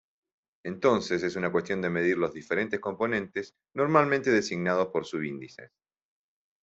Entonces es una cuestión de medir los diferentes componentes, normalmente designados por subíndices.